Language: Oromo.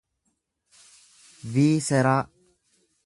viiseraa